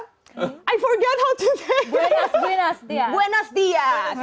saya lupa bagaimana mengatakannya